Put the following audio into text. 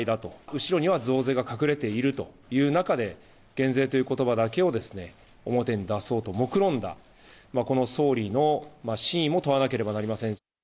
後ろには増税が隠れているという中で、減税ということばだけを表に出そうともくろんだ、この総理の真意も問わなければなりません。